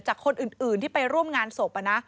จากคนอื่นที่ไปร่วมงานศพ